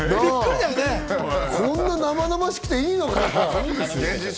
こんな生々しくていいのかな？